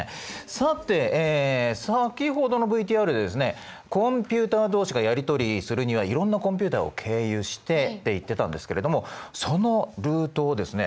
さて先ほどのＶＴＲでですねコンピュータ同士がやり取りするにはいろんなコンピュータを経由してって言ってたんですけれどもそのルートをですね